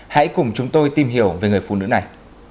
hãy cùng chúng tôi tìm hiểu về người phụ nữ này